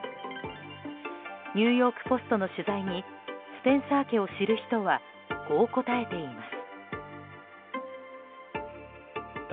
ニューヨーク・ポストの取材にスペンサー家を知る人はこう答えています。